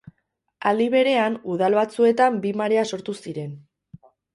Aldi berean, udal batzuetan bi marea sortu ziren.